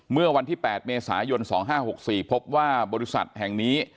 เมื่อวันที่๘เมษายน๒๕๖๔พบว่าบริษัทแห่งนี้